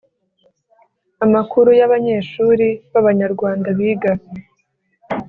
amakuru y abanyeshuri b Abanyarwanda biga